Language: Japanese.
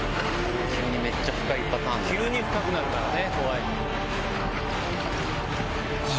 急に深くなるからね。